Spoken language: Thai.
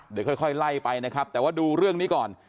เดี๋ยวค่อยไล่ไปนะครับแต่ว่าดูเรื่องนี้ก่อน